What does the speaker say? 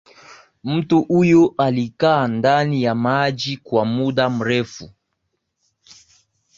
mtu huyo alikaaa ndani ya maji kwa muda mrefu